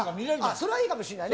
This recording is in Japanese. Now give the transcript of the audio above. それはいいかもしれないね。